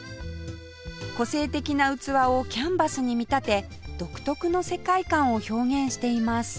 個性的な器をキャンバスに見立て独特の世界観を表現しています